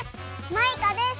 マイカです！